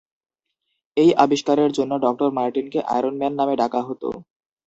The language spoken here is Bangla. এই আবিষ্কারের জন্য ড. মার্টিনকে "আয়রন ম্যান" নামে ডাকা হত।